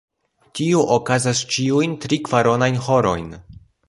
Tio okazas ĉiujn tri-kvaronajn horojn.